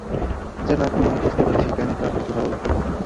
যেন এখন আমি বুঝতে পারছি, কেন তাঁর কিছু ভালো লাগত না।